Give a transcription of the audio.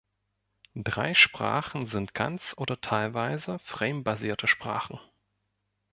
Drei Sprachen sind ganz oder teilweise Frame-basierte Sprachen.